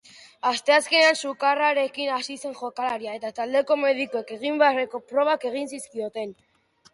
Asteazkenean sukarrarekin hasi zen jokalaria eta taldeko medikuek egin beharreko probak egin zizkioten.